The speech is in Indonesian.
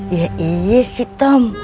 ya iya sih tem